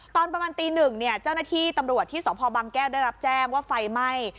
ตอนประมาณตีหนึ่งเนี่ยเจ้าหน้าที่ตำรวจที่สพบังแก้วได้รับแจ้งว่าไฟไหม้